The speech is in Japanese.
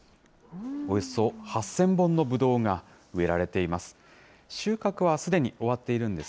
およそ８０００本のぶどうが植えられています。